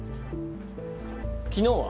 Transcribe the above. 昨日は？